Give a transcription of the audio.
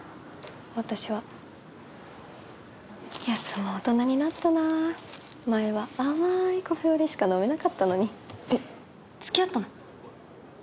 私はやつも大人になったな前は甘いカフェオレしか飲めなかったのにえっつきあったの？